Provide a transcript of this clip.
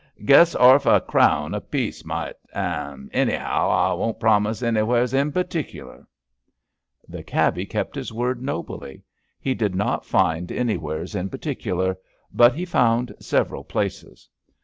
Guess 'arf a crown apiece might ... and any'ow I won't promise anywheres in particular." 228 ABAFT THE FUNNEL The cabby kept his word nobly. He did not find anywheres in particular, bnt he found several places.